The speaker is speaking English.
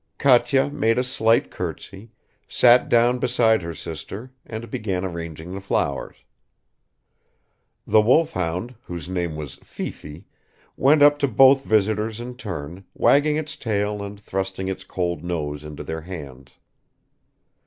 Katya made a slight curtsey, sat down beside her sister and began arranging the flowers. The wolfhound, whose name was Fifi, went up to both visitors in turn, wagging its tail and thrusting its cold nose into their hands.